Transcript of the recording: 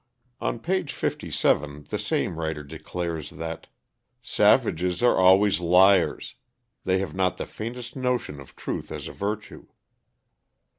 On page 57 the same writer declares that "Savages are always liars. They have not the faintest notion of truth as a virtue."